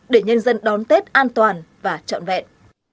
để nhân dân đón tết an toàn và trọn vẹn